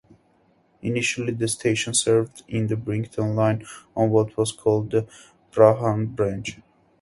Initially, the station served the Brighton line, on what was called the "Prahran Branch".